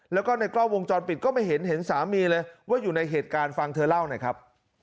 แล้วก็ในกร้อวงจอดปิดไม่เห็นสามีเลยว่าอยู่ในเหตุการณ์ฟังเธอลาวไหนครับ